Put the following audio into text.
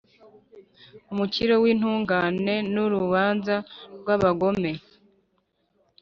Umukiro w’intungane n’urubanza rw’abagome